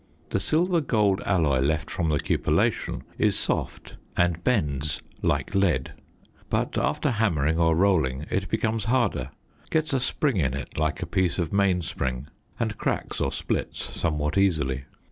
The silver gold alloy left from the cupellation is soft and bends like lead; but after hammering or rolling it becomes harder, gets a spring in it like a piece of mainspring and cracks or splits somewhat easily.